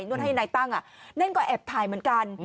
นวดให้นายตั้งนั่นก็แอบถ่ายเหมือนกัน